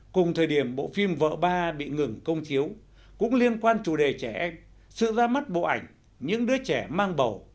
cùng thời điểm bộ phim vợ ba bị ngừng công chiếu cũng liên quan chủ đề trẻ em sự ra mắt bộ ảnh những đứa trẻ mang bầu